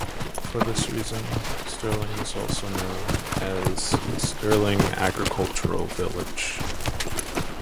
For this reason, Stirling is known as "Stirling Agricultural Village".